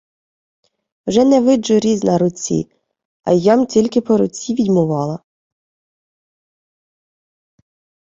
— Уже не виджу різ на руці. А я-м тільки по руці відьмувала.